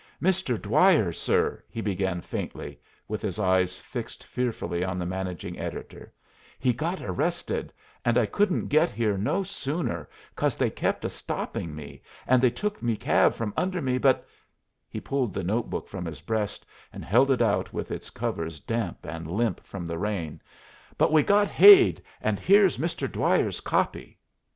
"Mr. Dwyer, sir," he began faintly, with his eyes fixed fearfully on the managing editor, "he got arrested and I couldn't get here no sooner, 'cause they kept a stopping me, and they took me cab from under me but " he pulled the notebook from his breast and held it out with its covers damp and limp from the rain "but we got Hade, and here's Mr. Dwyer's copy."